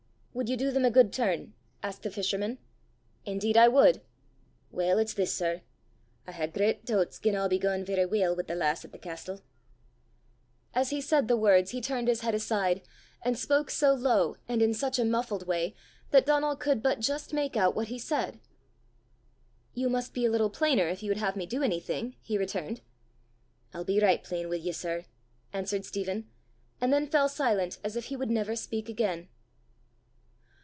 "Wud ye du them a guid turn?" asked the fisherman. "Indeed I would!" "Weel, it's this, sir: I hae grit doobts gien a' be gaein' verra weel wi' the lass at the castel." As he said the words he turned his head aside, and spoke so low and in such a muffled way that Donal could but just make out what he said. "You must be a little plainer if you would have me do anything," he returned. "I'll be richt plain wi' ye, sir," answered Stephen, and then fell silent as if he would never speak again.